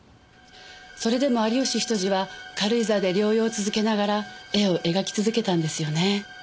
それでも有吉比登治は軽井沢で療養を続けながら絵を描き続けたんですよね。